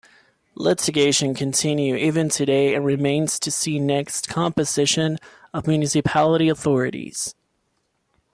Litigation continue even today and remains to see next composition of municipality authorities.